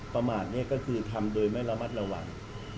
ประมาทนี้ก็คือทำโดยไม่ระมัดระวัง